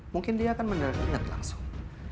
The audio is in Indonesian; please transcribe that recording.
mungkin dia akan beneran inget langsung